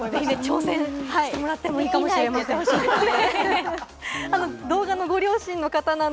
挑戦してもらってもいいかもしれませんね。